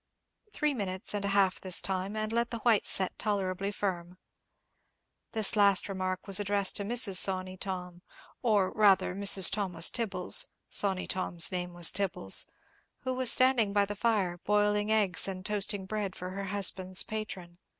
Three minutes and a half this time, and let the white set tolerably firm." This last remark was addressed to Mrs. Sawney Tom, or rather Mrs. Thomas Tibbles—Sawney Tom's name was Tibbles—who was standing by the fire, boiling eggs and toasting bread for her husband's patron.